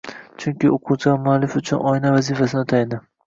Chunki, o‘quvchi muallif uchun oyna vazifasini o‘taydi: